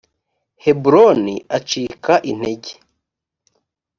heburoni acika intege